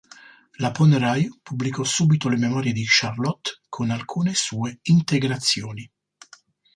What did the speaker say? Laponneraye pubblicò subito le memorie di Charlotte con alcune sue integrazioni.